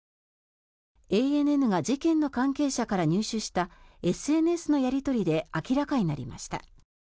ＡＮＮが事件の関係者から入手したＳＮＳのやり取りで明らかになりました。